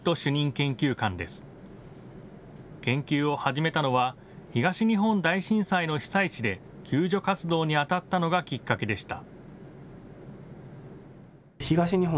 研究を始めたのは東日本大震災の被災地で救助活動にあたったのがきっかけでした。